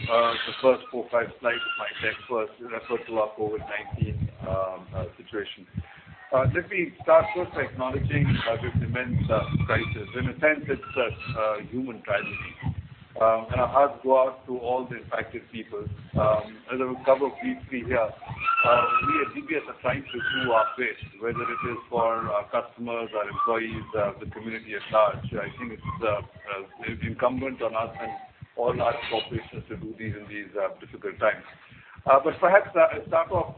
The first four, five slides of my deck first refer to our COVID-19 situation. Let me start first by acknowledging this immense crisis. In a sense, it's a human tragedy. Our hearts go out to all the impacted people. As I will cover briefly here, we at DBS are trying to do our bit, whether it is for our customers, our employees, the community at large. I think it's incumbent on us and all large corporations to do these in these difficult times. Perhaps I'll start off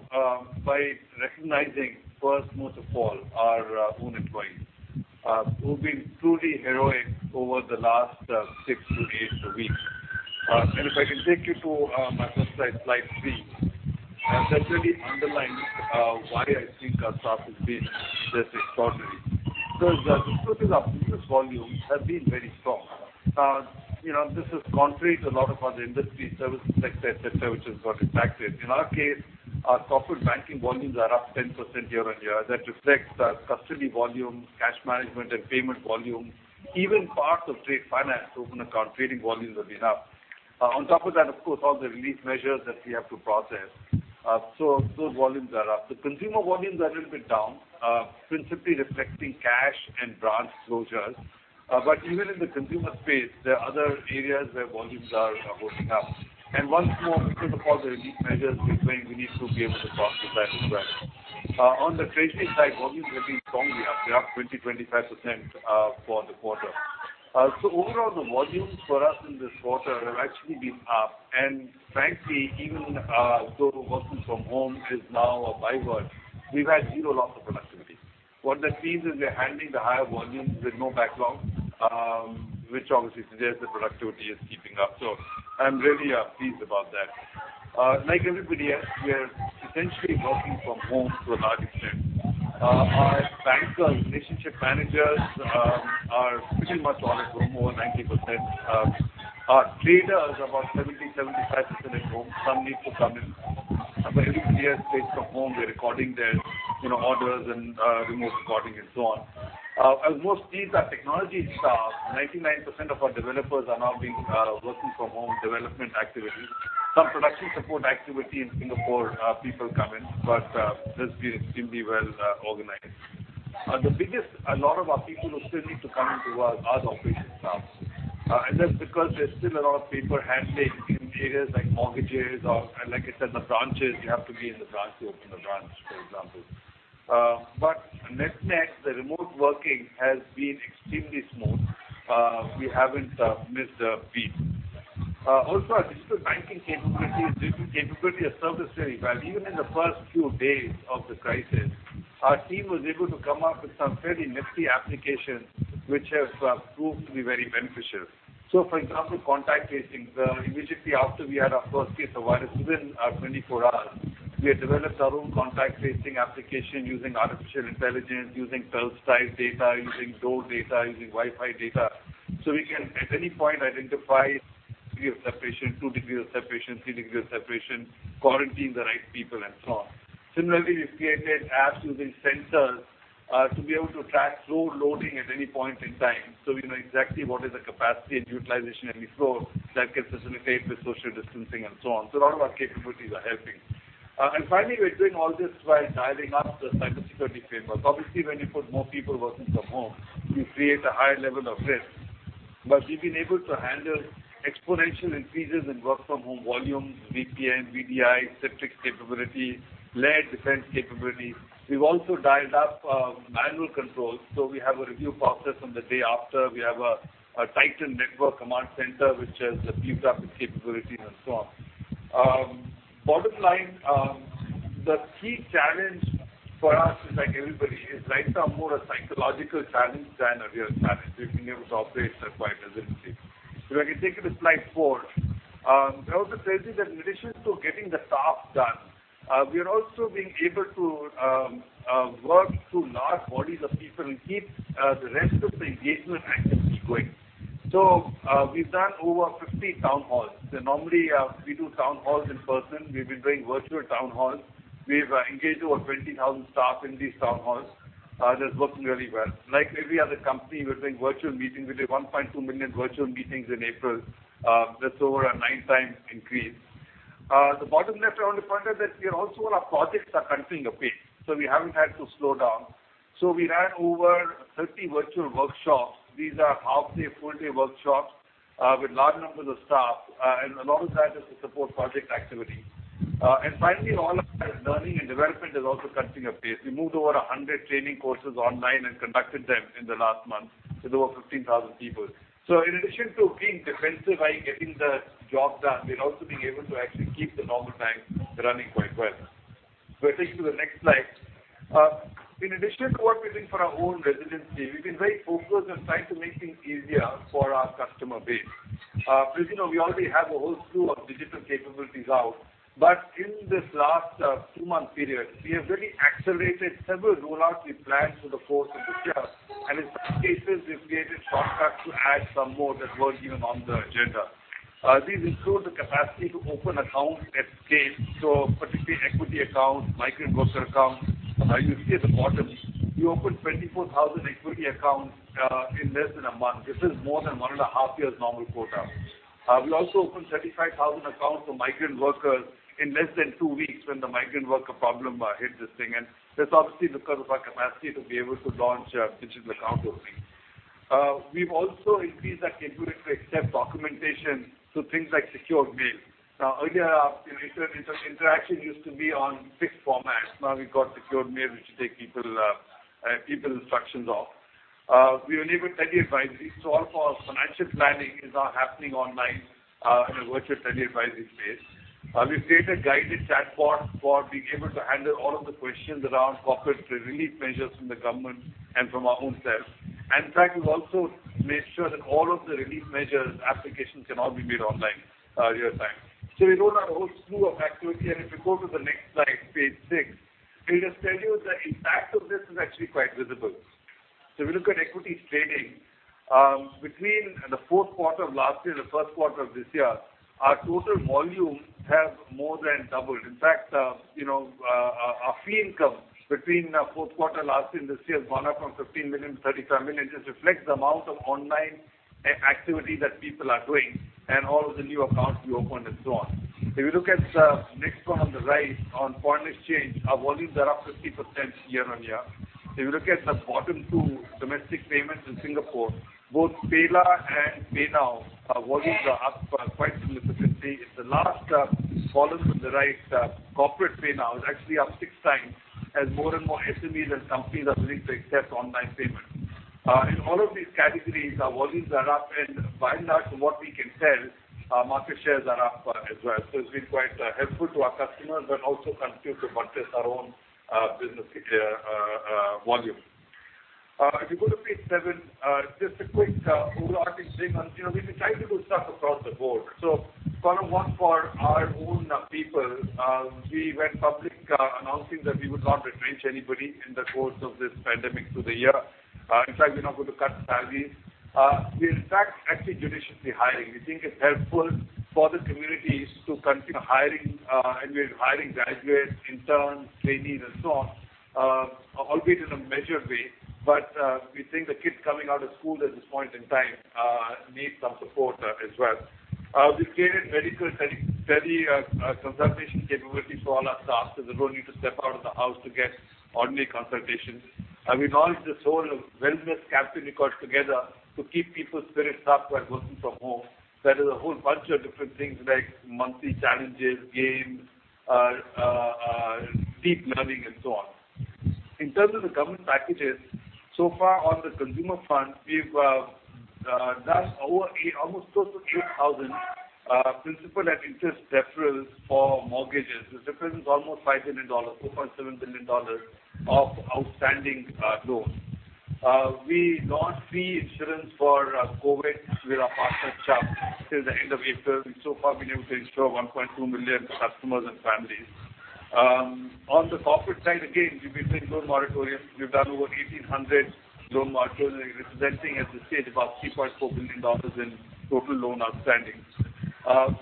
by recognizing first most of all our own employees who've been truly heroic over the last six to eight weeks. If I can take you to my first Slide 3, that really underlines why I think our staff has been just extraordinary. The growth in our business volumes has been very strong. You know, this is contrary to a lot of other industries, services sector, et cetera, which has got impacted. In our case, our corporate banking volumes are up 10% year-on-year. That reflects our custody volume, cash management and payment volume, even parts of trade finance, open account trading volumes have been up. On top of that, of course, all the relief measures that we have to process. Those volumes are up. The consumer volumes are a little bit down, principally reflecting cash and branch closures. Even in the consumer space, there are other areas where volumes are holding up. Once more, because of all the relief measures we're doing, we need to be able to process that as well. On the trading side, volumes have been strongly up. They're up 20%-25% for the quarter. Overall, the volumes for us in this quarter have actually been up. Frankly, even though working from home is now a byword, we've had zero loss of productivity. What that means is we're handling the higher volumes with no backlog, which obviously suggests that productivity is keeping up. I'm really pleased about that. Like everybody else, we're essentially working from home to a large extent. Our banker relationship managers are pretty much all at home, over 90%. Our traders, about 70%-75% at home. Some need to come in. But everybody else based from home, they're recording their, you know, orders and remote recording and so on. As most of these are technology staff, 99% of our developers are now being working from home development activities. Some production support activity in Singapore, people come in, but that's been extremely well organized. A lot of our people who still need to come into work are the operations staff. That's because there's still a lot of people handling in areas like mortgages or like I said, the branches, you have to be in the branch to open a branch, for example. Net-net, the remote working has been extremely smooth. We haven't missed a beat. Also our digital banking capabilities have served us very well. Even in the first few days of the crisis, our team was able to come up with some fairly nifty applications which have proved to be very beneficial. For example, contact tracing. Immediately after we had our first case of virus, within 24 hours, we had developed our own contact tracing application using artificial intelligence, using cell site data, using door data, using Wi-Fi data. We can at any point identify degree of separation, two degree of separation, three degree of separation, quarantine the right people and so on. Similarly, we've created apps using sensors to be able to track floor loading at any point in time. We know exactly what is the capacity and utilization of any floor that can facilitate the social distancing and so on. A lot of our capabilities are helping. Finally, we're doing all this while dialing up the cybersecurity frameworks. Obviously, when you put more people working from home, you create a higher level of risk. We've been able to handle exponential increases in work from home volume, VPN, VDI, Citrix capability, layered defense capabilities. We've also dialed up manual controls. We have a review process from the day after. We have a tightened network command center, which has beefed up its capabilities and so on. Bottom line, the key challenge for us is like everybody is right now more a psychological challenge than a real challenge. We've been able to operate quite reasonably. If I can take you to Slide 4. I also tell you that in addition to getting the staff done, we are also being able to work through large bodies of people and keep the rest of the engagement activities going. We've done over 50 town halls. Normally, we do town halls in person. We've been doing virtual town halls. We've engaged over 20,000 staff in these town halls. That's working really well. Like every other company, we're doing virtual meetings. We did 1.2 million virtual meetings in April. That's over a nine times increase. The bottom left-hand corner that we are also our projects are continuing apace, so we haven't had to slow down. We ran over 30 virtual workshops. These are half-day, full-day workshops, with large numbers of staff, and a lot of that is to support project activity. Finally, all of our learning and development is also continuing apace. We moved over 100 training courses online and conducted them in the last month to over 15,000 people. In addition to being defensive by getting the job done, we're also being able to actually keep the normal bank running quite well. If I take you to the next slide. In addition to what we're doing for our own resiliency, we've been very focused on trying to make things easier for our customer base. Because, you know, we already have a whole slew of digital capabilities out. In this last two-month period, we have really accelerated several rollouts we planned for the course of this year, and in some cases, we've created shortcuts to add some more that weren't even on the agenda. These include the capacity to open accounts at scale, so particularly equity accounts, migrant worker accounts. You see at the bottom, we opened 24,000 equity accounts in less than a month. This is more than 1.5 years normal quota. We also opened 35,000 accounts for migrant workers in less than two weeks when the migrant worker problem hit this thing. That's obviously because of our capacity to be able to launch a digital account opening. We've also increased our capability to accept documentation through things like secure mail. Now, earlier, you know, interaction used to be on fixed formats. Now we've got secure mail, which take people instructions off. We enabled tele-advisory, so all of our financial planning is now happening online in a virtual tele-advisory space. We've created guided chatbot for being able to handle all of the questions around corporate relief measures from the government and from our own selves. In fact, we've also made sure that all of the relief measures applications can all be made online, real time. We rolled out a whole slew of activity. If you go to the next slide, Page 6, it'll just tell you the impact of this is actually quite visible. If you look at equity trading, between the Q4 of last year, the Q1 of this year, our total volume have more than doubled. In fact, you know, our fee income between the Q4 last year and this year has gone up from 15 million to 35 million. Just reflects the amount of online activity that people are doing and all of the new accounts we opened and so on. If you look at the next one on the right, on foreign exchange, our volumes are up 50% year-on-year. If you look at the bottom two domestic payments in Singapore, both PayLah! and PayNow, our volumes are up quite significantly. In the last column on the right, corporate PayNow is actually up six times as more and more SMEs and companies are willing to accept online payments. In all of these categories, our volumes are up, and by and large, from what we can tell, our market shares are up as well. It's been quite helpful to our customers, but also continue to buttress our own business volume. If you go to Page 7, just a quick rollout thing on, you know, we've been trying to do stuff across the board. Column one for our own people, we went public announcing that we would not retrench anybody in the course of this pandemic through the year. In fact, we're not going to cut salaries. We're in fact actually judiciously hiring. We think it's helpful for the communities to continue hiring and we're hiring graduates, interns, trainees and so on, albeit in a measured way. We think the kids coming out of school at this point in time need some support as well. We've created medical teleconsultation capabilities for all our staff, so they don't need to step out of the house to get ordinary consultations. We launched this whole wellness program together to keep people's spirits up while working from home. That is a whole bunch of different things like monthly challenges, games, deep learning and so on. In terms of the government packages, so far on the consumer front, we've done over almost close to 8,000 principal and interest deferrals for mortgages. The difference is almost 5 billion dollars, 4.7 billion dollars of outstanding loans. We launched free insurance for COVID with our partner Chubb till the end of April. So far, we've been able to insure 1.2 million customers and families. On the corporate side, again, we've implemented loan moratorium. We've done over 1,800 loan moratorium, representing at this stage about 3.4 billion dollars in total loan outstanding.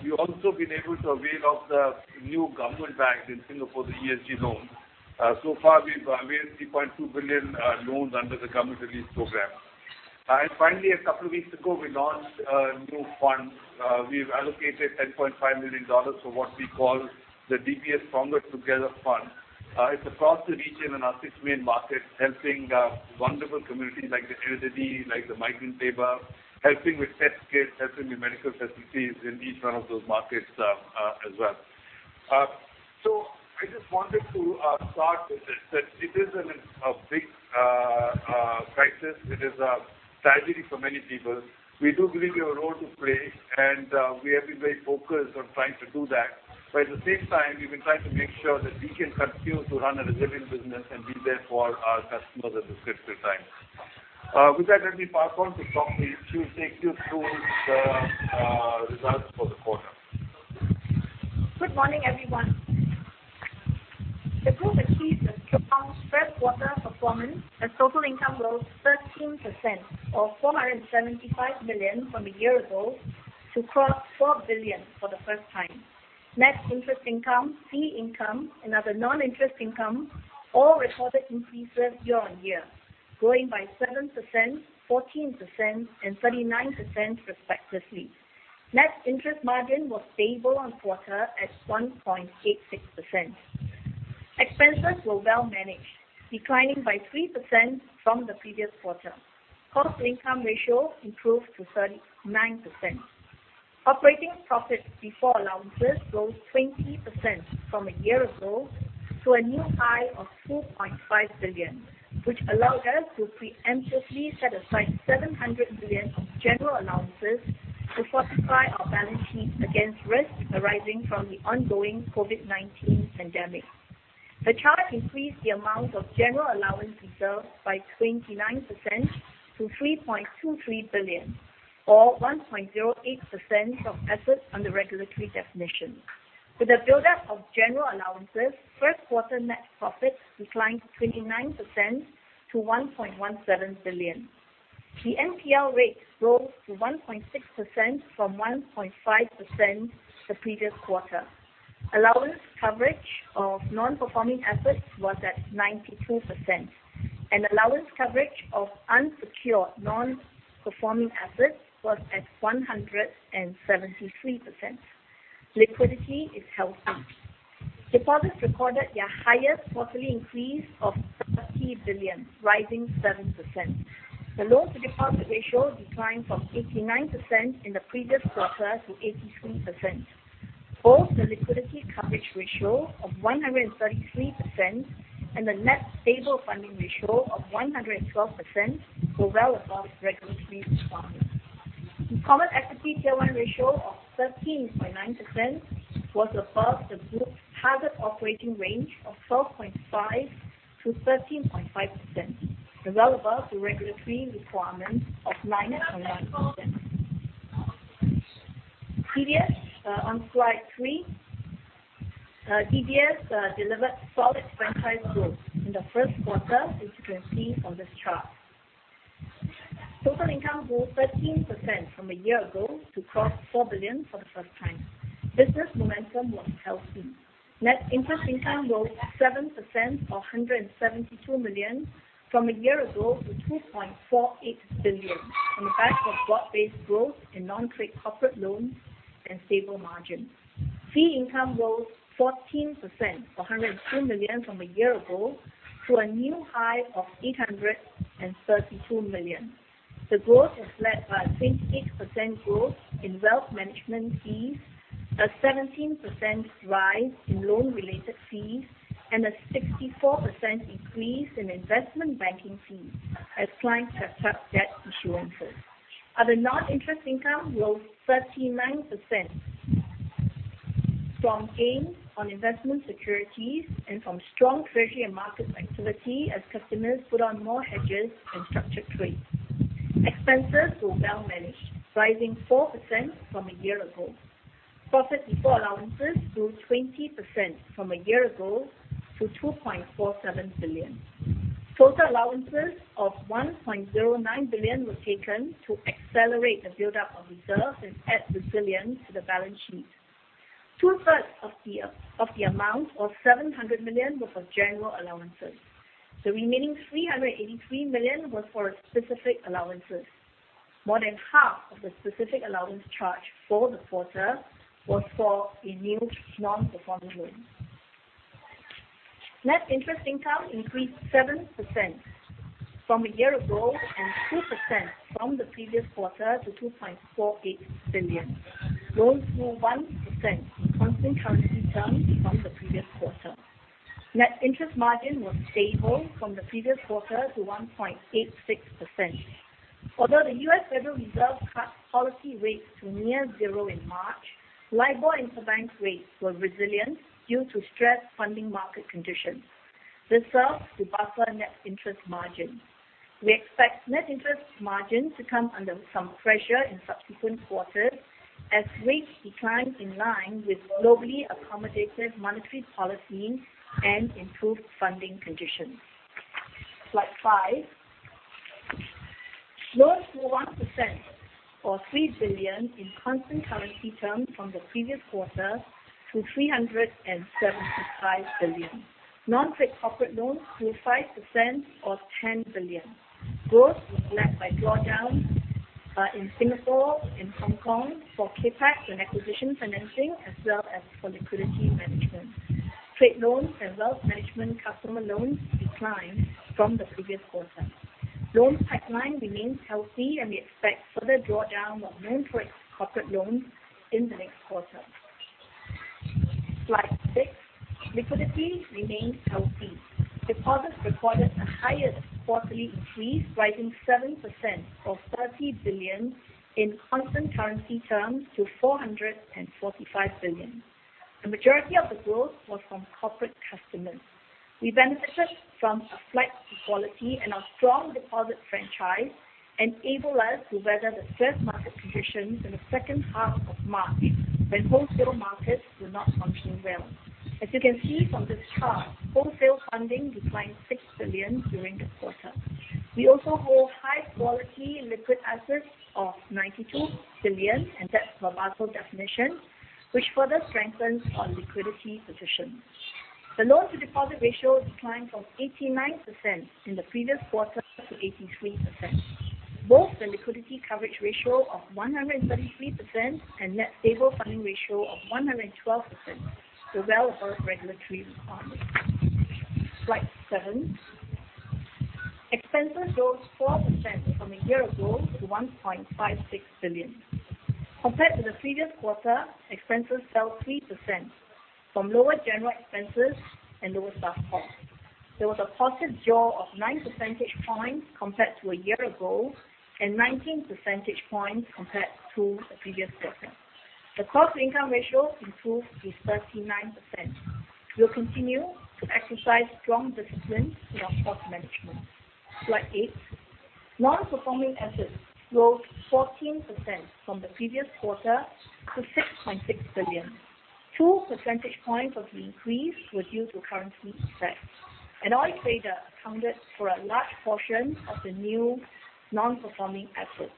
We've also been able to avail of the new government backed in Singapore, the ESG loan. So far, we've availed 3.2 billion loans under the government relief program. Finally, a couple of weeks ago, we launched a new fund. We've allocated 10.5 million dollars for what we call the DBS Stronger Together Fund. It's across the region in our six main markets, helping wonderful communities like the charity, like the migrant labor, helping with test kits, helping with medical facilities in each one of those markets, as well. I just wanted to start with this, that it is a big crisis. It is a tragedy for many people. We do believe we have a role to play, and we have been very focused on trying to do that. At the same time, we've been trying to make sure that we can continue to run a resilient business and be there for our customers at this critical time. With that, let me pass on to Chng Sok Hui, she will take you through the results for the quarter. Good morning, everyone. The group achieved a strong Q1 performance as total income rose 13% or 475 million from a year ago to cross 4 billion for the first time. Net interest income, fee income, and other non-interest income all recorded increases year-on-year, growing by 7%, 14%, and 39% respectively. Net interest margin was stable quarter-on-quarter at 1.86%. Expenses were well managed, declining by 3% from the previous quarter. Cost-to-income ratio improved to 39%. Operating profit before allowances rose 20% from a year ago to a new high of 2.5 billion, which allowed us to preemptively set aside 700 million of general allowances to fortify our balance sheet against risks arising from the ongoing COVID-19 pandemic. The charge increased the amount of general allowance reserve by 29% to 3.23 billion or 1.08% of assets under regulatory definition. With the buildup of general allowances, Q1 net profit declined 29% to 1.17 billion. The NPL rates rose to 1.6% from 1.5% the previous quarter. Allowance coverage of non-performing assets was at 92%, and allowance coverage of unsecured non-performing assets was at 173%. Liquidity is healthy. Deposits recorded their highest quarterly increase of 30 billion, rising 7%. The loan-to-deposit ratio declined from 89% in the previous quarter to 83%. Both the liquidity coverage ratio of 133% and the net stable funding ratio of 112% were well above regulatory requirements. The Common Equity Tier 1 ratio of 13.9% was above the group's target operating range of 12.5%-13.5%. Well above the regulatory requirements of 9.5%. On slide three. DBS delivered solid franchise growth in the Q1, as you can see from this chart. Total income grew 13% from a year ago to cross 4 billion for the first time. Business momentum was healthy. Net interest income rose 7%, or 172 million from a year ago to 2.48 billion on the back of broad-based growth in non-trade corporate loans and stable margin. Fee income rose 14%, or 102 million from a year ago, to a new high of 832 million. The growth was led by a 28% growth in wealth management fees, a 17% rise in loan-related fees, and a 64% increase in investment banking fees as clients have tapped debt issuance. Other non-interest income rose 39% from gains on investment securities and from strong treasury and market activity as customers put on more hedges and structured trades. Expenses were well managed, rising 4% from a year ago. Profit before allowances grew 20% from a year ago to 2.47 billion. Total allowances of 1.09 billion were taken to accelerate the buildup of reserves and add resilience to the balance sheet. Two-thirds of the amount or 700 million were for general allowances. The remaining 383 million were for specific allowances. More than half of the specific allowance charge for the quarter was for renewed non-performing loans. Net interest income increased 7% from a year ago and 2% from the previous quarter to 2.48 billion. Loans grew 1% in constant currency terms from the previous quarter. Net interest margin was stable from the previous quarter to 1.86%. Although the U.S. Federal Reserve cut policy rates to near zero in March, LIBOR interbank rates were resilient due to stressed funding market conditions. This served to buffer net interest margin. We expect net interest margin to come under some pressure in subsequent quarters as rates decline in line with globally accommodative monetary policy and improved funding conditions. Slide 5. Loans grew 1% or 3 billion in constant currency terms from the previous quarter to 375 billion. Non-trade corporate loans grew 5% or 10 billion. Growth was led by drawdown in Singapore and Hong Kong for CapEx and acquisition financing as well as for liquidity management. Trade loans and wealth management customer loans declined from the previous quarter. Loans pipeline remains healthy, and we expect further drawdown of non-trade corporate loans in the next quarter. Slide 6. Liquidity remains healthy. Deposits recorded the highest quarterly increase, rising 7% or 30 billion in constant currency terms to 445 billion. The majority of the growth was from corporate customers. We benefited from a flight to quality, and our strong deposit franchise enabled us to weather the stressed market conditions in the second half of March, when wholesale markets were not functioning well. As you can see from this chart, wholesale funding declined 6 billion during the quarter. We also hold high-quality liquid assets of 92 billion and that's from Basel definition, which further strengthens our liquidity position. The loan-to-deposit ratio declined from 89% in the previous quarter to 83%. Both the liquidity coverage ratio of 133% and net stable funding ratio of 112% are well above regulatory requirements. Slide 7. Expenses rose 4% from a year ago to 1.56 billion. Compared to the previous quarter, expenses fell 3% from lower general expenses and lower staff costs. There was a positive jaw of nine percentage points compared to a year ago and 19 percentage points compared to the previous quarter. The cost-to-income ratio improved to 39%. We'll continue to exercise strong discipline in our cost management. Slide 8. Non-performing assets rose 14% from the previous quarter to 6.6 billion. Two percentage points of the increase was due to currency effect. An oil trader accounted for a large portion of the new non-performing assets.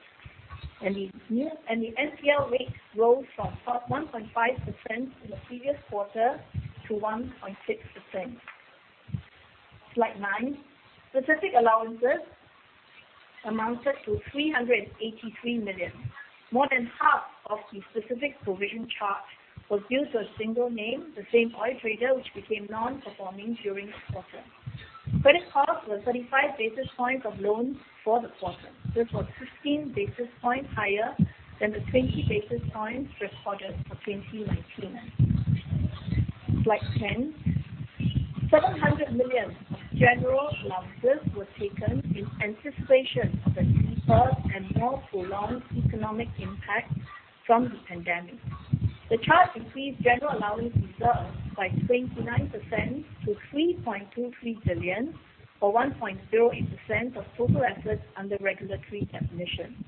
The NPL rates rose from 1.5% in the previous quarter to 1.6%. Slide 9. Specific allowances amounted to 383 million. More than half of the specific provision charge was due to a single name, the same oil trader which became non-performing during this quarter. Credit costs were 35 basis points of loans for the quarter. This was 15 basis points higher than the 20 basis points recorded for 2019. Slide 10. 700 million of general allowances were taken in anticipation of the deeper and more prolonged economic impact from the pandemic. The charge increased general allowance reserve by 29% to 3.23 billion, or 1.08% of total assets under regulatory definition.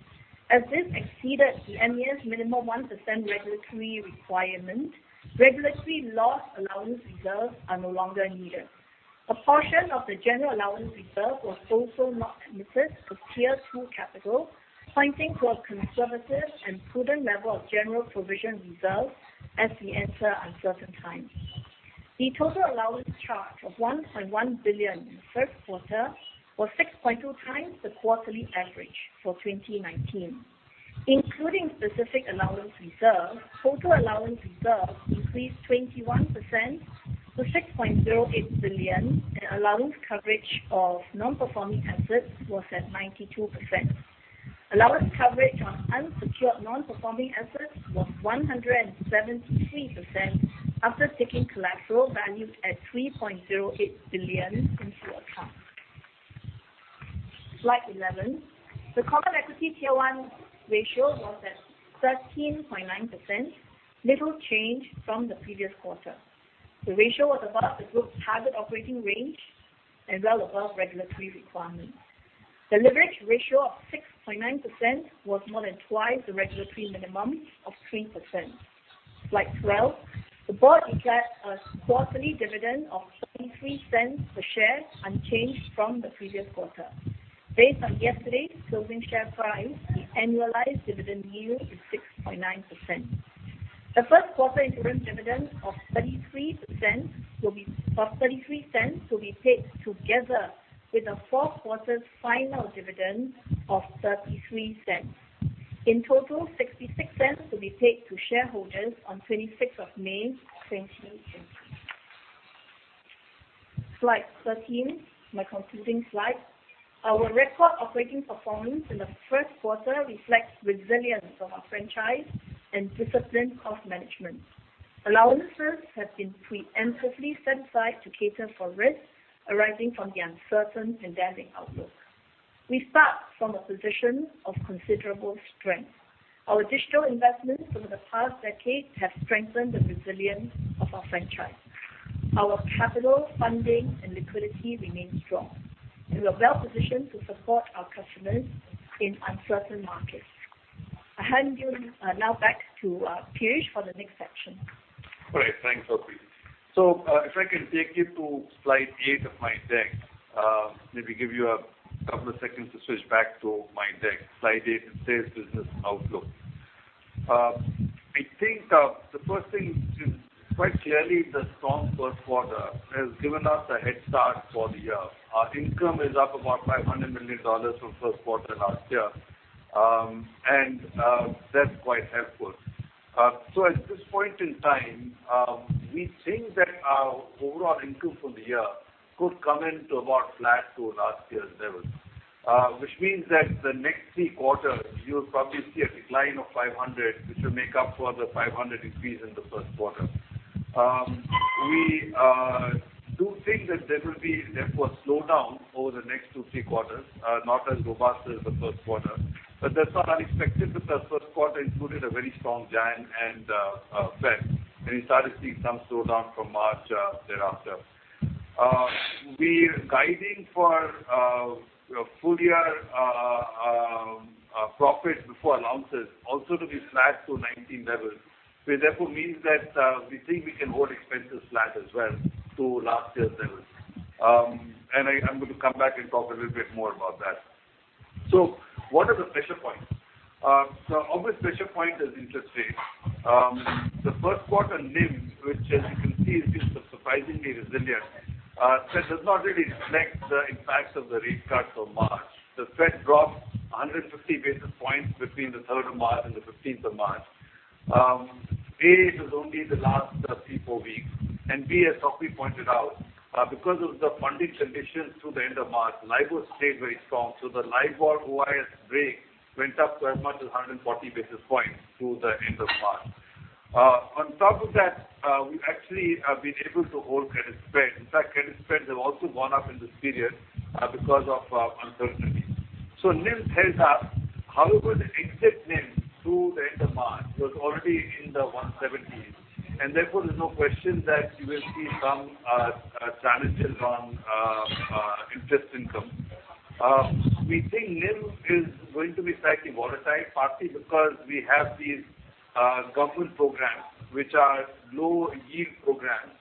As this exceeded the MAS minimum 1% regulatory requirement, regulatory loss allowance reserves are no longer needed. A portion of the general allowance reserve was also not committed to Tier 2 capital, pointing to a conservative and prudent level of general provision reserve as we enter uncertain times. The total allowance charge of 1.1 billion in the Q1 was 6.2x the quarterly average for 2019. Including specific allowance reserve, total allowance reserve increased 21% to 6.08 billion, and allowance coverage of non-performing assets was at 92%. Allowance coverage on unsecured non-performing assets was 173% after taking collateral valued at 3.08 billion into account. Slide 11. The Common Equity Tier 1 ratio was at 13.9%, little change from the previous quarter. The ratio was above the group's target operating range and well above regulatory requirement. The leverage ratio of 6.9% was more than twice the regulatory minimum of 3%. Slide 12. The board declared a quarterly dividend of 0.33 per share, unchanged from the previous quarter. Based on yesterday's closing share price, the annualized dividend yield is 6.9%. The Q1 interim dividend of 0.33 will be paid together with the Q4's final dividend of 0.33. In total, 0.66 will be paid to shareholders on 26th of May, 2020. Slide 13, my concluding slide. Our record operating performance in the Q1 reflects resilience of our franchise and disciplined cost management. Allowances have been preemptively set aside to cater for risks arising from the uncertain pandemic outlook. We start from a position of considerable strength. Our digital investments over the past decade have strengthened the resilience of our franchise. Our capital funding and liquidity remains strong. We are well positioned to support our customers in uncertain markets. I hand you now back to Piyush for the next section. All right. Thanks, Chng Sok Hui. If I can take you to Slide 8 of my deck. Let me give you a couple of seconds to switch back to my deck. Slide 8, it says, "Business Outlook." I think the first thing is quite clearly the strong Q1 has given us a head start for the year. Our income is up about 500 million dollars from Q1 last year. That's quite helpful. At this point in time, we think that our overall income from the year could come in to about flat to last year's levels. Which means that the next three quarters, you'll probably see a decline of 500 million, which will make up for the 500 million increase in the Q1. We do think that there will be therefore slowdown over the next two, three quarters, not as robust as the Q1, but that's not unexpected because Q1 included a very strong Jan and Feb, and we started seeing some slowdown from March thereafter. We're guiding for full year profit before allowances also to be flat to 2019 levels. Which therefore means that we think we can hold expenses flat as well to last year's levels. I'm going to come back and talk a little bit more about that. What are the pressure points? Obviously pressure point is interesting. The Q1 NIM, which as you can see has been surprisingly resilient, that does not really reflect the impact of the rate cuts of March. The Fed dropped 150 basis points between the third of March and the fifteenth of March. A, it was only the last three, four weeks. B, as Sok Hui pointed out, because of the funding conditions through the end of March, LIBOR stayed very strong. The LIBOR-OIS spread went up to as much as 140 basis points through the end of March. On top of that, we actually have been able to hold credit spreads. In fact, credit spreads have also gone up in this period, because of uncertainty. NIM heads up. However, the exit NIM through the end of March was already in the 1.78s, and therefore there's no question that you will see some challenges on interest income. We think NIM is going to be slightly volatile, partly because we have these government programs which are low yield programs,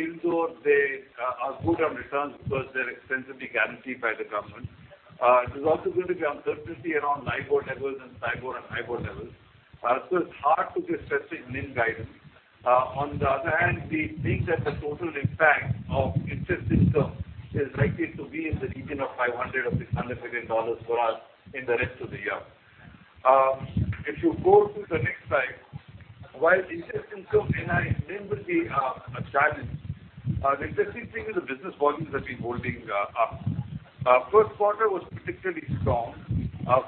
even though they are good on returns because they're extensively guaranteed by the government. There's also going to be uncertainty around LIBOR levels and IBOR and HIBOR levels. So it's hard to give specific NIM guidance. On the other hand, we think that the total impact of interest income is likely to be in the region of 500 million-600 million dollars for us in the rest of the year. If you go to the next slide. While interest income and high NIM will be a challenge, the interesting thing is the business volumes have been holding up. Q1 was particularly strong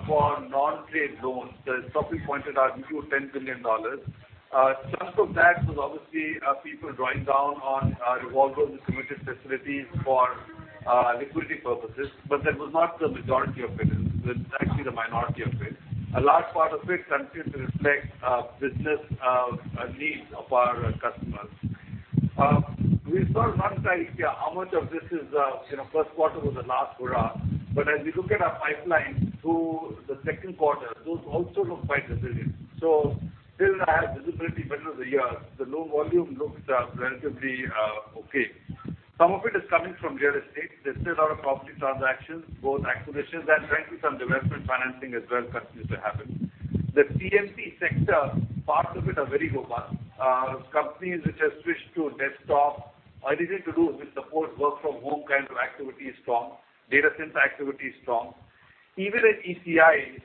for non-trade loans. As Sok Hui pointed out, we grew $10 billion. Some of that was obviously people drawing down on revolvers and committed facilities for liquidity purposes, but that was not the majority of it. It was actually the minority of it. A large part of it continues to reflect business needs of our customers. We still don't have an idea how much of this is, you know, Q1 was a last hurrah. As we look at our pipeline through the Q2, those also look quite resilient. I still have better visibility for the year. The loan volume looks relatively okay. Some of it is coming from real estate. There's still a lot of property transactions, both acquisitions and frankly some development financing as well continues to happen. The TMT sector, parts of it are very robust. Companies which have switched to desktop, anything to do with support work from home kind of activity is strong. Data center activity is strong. Even in ECI,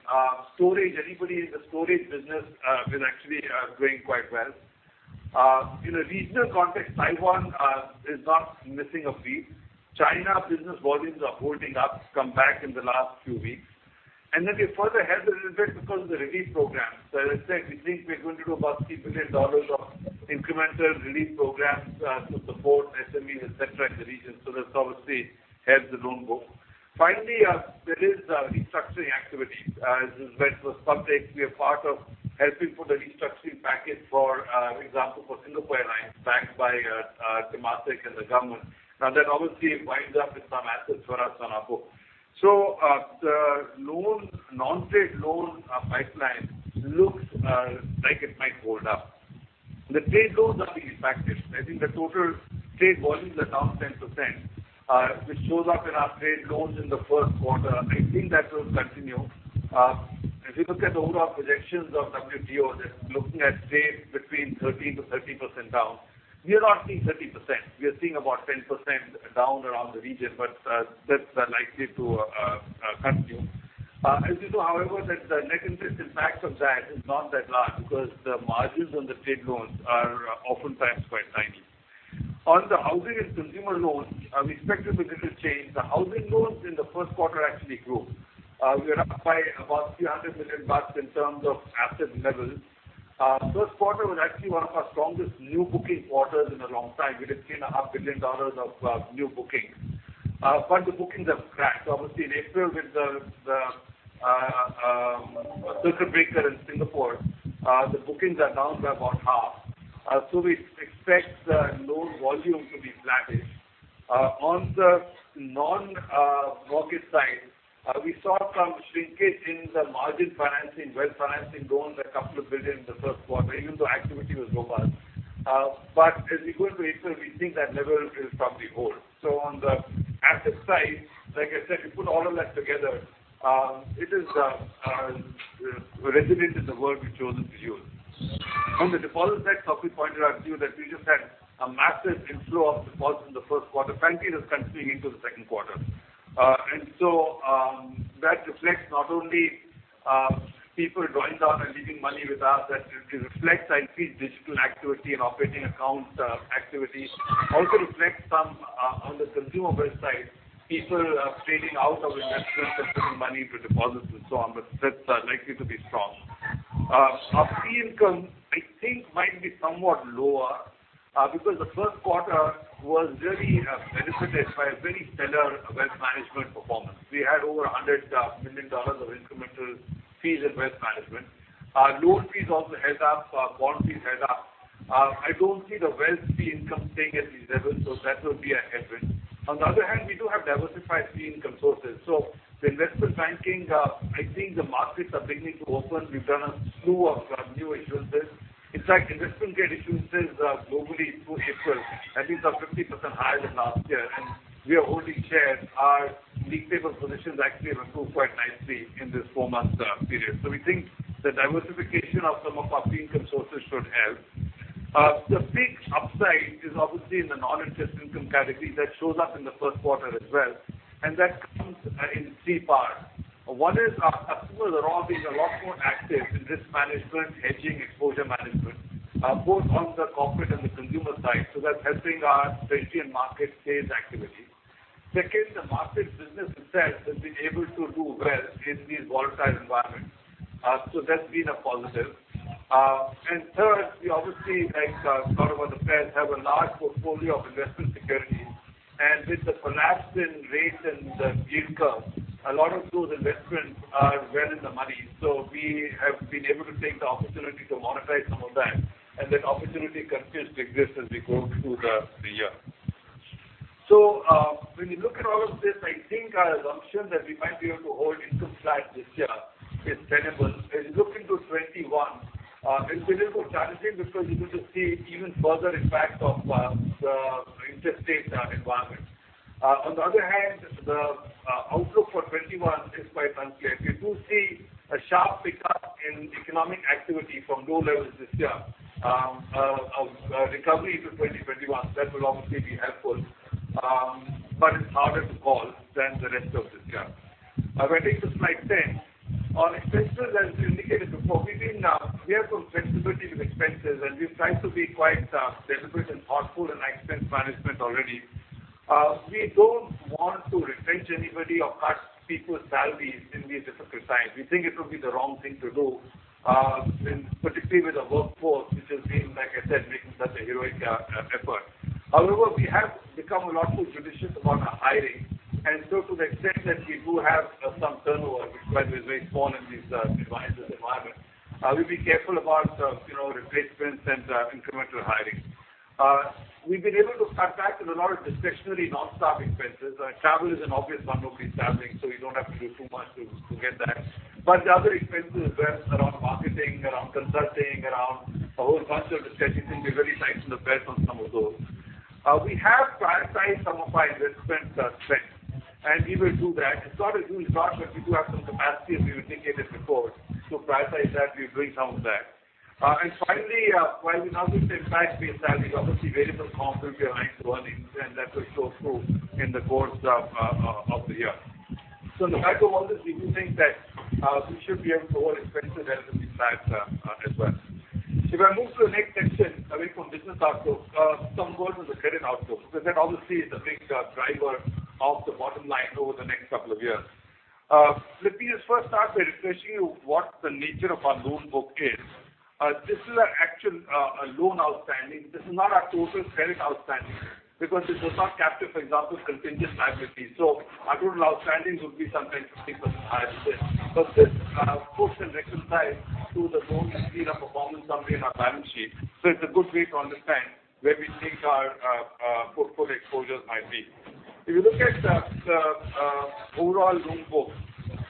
storage, anybody in the storage business is actually doing quite well. In a regional context, Taiwan is not missing a beat. China business volumes are holding up, come back in the last few weeks. We further helped a little bit because of the relief programs. As I said, we think we're going to do about 3 billion dollars of incremental relief programs to support SMEs, et cetera, in the region. That's obviously helped the loan book. Finally, there is restructuring activity. As said, we are part of helping put a restructuring package for example for Singapore Airlines backed by Temasek and the government. Now that obviously winds up with some assets for us on our book. The loans, non-trade loans, pipeline looks like it might hold up. The trade loans are being impacted. I think the total trade volumes are down 10%, which shows up in our trade loans in the Q1. I think that will continue. If you look at overall projections of WTO, they're looking at trade between 13%-30% down. We are not seeing 30%. We are seeing about 10% down around the region, but that's likely to continue. As you know, however, that the net interest impact of that is not that large because the margins on the trade loans are oftentimes quite tiny. On the housing and consumer loans, I'm expecting a little change. The housing loans in the Q1 actually grew. We are up by about 300 million bucks in terms of asset levels. Q1 was actually one of our strongest new booking quarters in a long time. We did 3.5 billion dollars of new bookings. The bookings have crashed. Obviously in April with the circuit breaker in Singapore, the bookings are down by about half. We expect the loan volume to be flattish. On the non-mortgage side, we saw some shrinkage in the margin financing, wealth financing loans, a couple of billion in the Q1, even though activity was robust. As we go into April, we think that level will probably hold. On the asset side, like I said, you put all of that together, it is resilient is the word we've chosen to use. On the deposit side, Sok Hui pointed out to you that we just had a massive inflow of deposits in the Q1. Frankly, that's continuing into the Q2. That reflects not only people drawing down and leaving money with us, I think, digital activity and operating accounts activity. Also reflects some on the consumer wealth side, people trading out of investments and putting money into deposits and so on. That's likely to be strong. Our fee income I think might be somewhat lower because the Q1 was really benefited by a very stellar wealth management performance. We had over 100 million dollars of incremental fees in wealth management. Loan fees also heads up. Bond fees heads up. I don't see the wealth fee income staying at these levels, so that will be a headwind. On the other hand, we do have diversified fee income sources. The investment banking, I think the markets are beginning to open. We've done a slew of new issuances. In fact, investment-grade issuances globally through April, at least are 50% higher than last year, and we have already shared our league table positions actually have improved quite nicely in this 4-month period. We think the diversification of some of our fee income sources should help. The big upside is obviously in the non-interest income category that shows up in the Q1 as well, and that comes in three parts. One is our customers are all being a lot more active in risk management, hedging exposure management, both on the corporate and the consumer side. That's helping our treasury and markets sales activity. Second, the markets business itself has been able to do well in these volatile environments. That's been a positive. Third, we obviously, like a lot of other banks, have a large portfolio of investment securities. With the collapse in rates and the yield curve, a lot of those investments are well in the money. We have been able to take the opportunity to monetize some of that. That opportunity continues to exist as we go through the year. When you look at all of this, I think our assumption that we might be able to hold income flat this year is tenable. As you look into 2021, it's a little challenging because you're going to see even further impact of the interest rate environment. On the other hand, the outlook for 2021 is quite unclear. If we do see a sharp pickup in economic activity from low levels this year, a recovery into 2021, that will obviously be helpful. It's harder to call than the rest of this year. If I turn to Slide 10. On expenses, as we indicated before, we've been careful and flexible with expenses, and we've tried to be quite deliberate and thoughtful in expense management already. We don't want to retrench anybody or cut people's salaries in these difficult times. We think it would be the wrong thing to do in particular with the workforce, which has been, like I said, making such a heroic effort. However, we have become a lot more judicious about our hiring. To the extent that we do have some turnover, which by the way is very small in this environment, we'll be careful about, you know, replacements and incremental hiring. We've been able to cut back on a lot of discretionary non-staff expenses. Travel is an obvious one. Nobody's traveling, so we don't have to do too much to get that. The other expenses as well, around marketing, around consulting, around a whole bunch of discretionary things, we're tightening the belt on some of those. We have prioritized some of our investment spend, and we will do that. It's not a huge cost, but we do have some capacity, as we indicated before, to prioritize that. We're doing some of that. Finally, while we now reach the impact on fees and salary, obviously variable comp will be aligned to earnings, and that will show through in the course of the year. In light of all this, we do think that we should be able to hold expenses relatively flat, as well. If I move to the next section away from business outlook, some words on the credit outlook, because that obviously is the big driver of the bottom line over the next couple of years. Let me just first start by refreshing you what the nature of our loan book is. This is our actual loan outstanding. This is not our total credit outstanding because this does not capture, for example, contingent liabilities. Our total outstanding would be some 10%-15% higher than this. This puts into perspective the loans we see in the performance summary in our balance sheet. It's a good way to understand where we think our portfolio exposures might be. If you look at the overall loan book,